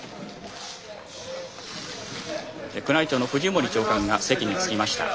宮内庁の藤森長官が席に着きました。